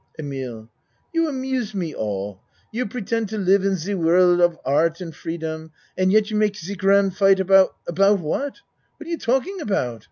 EMILE You amuse me all. You pretend to live in ze world of art and freedom and yet you make ze grand fight about about what? What are you talking about?